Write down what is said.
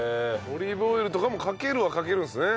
オリーブオイルとかもかけるはかけるんですね。